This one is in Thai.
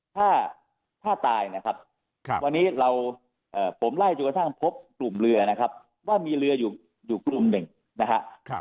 ถ้าถ้าตายนะครับวันนี้เราผมไล่จนกระทั่งพบกลุ่มเรือนะครับว่ามีเรืออยู่กลุ่มหนึ่งนะครับ